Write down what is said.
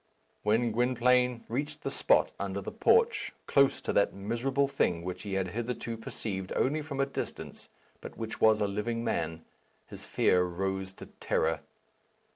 When Gwynplaine reached the spot under the porch, close to that miserable thing which he had hitherto perceived only from a distance, but which was a living man, his fear rose to terror.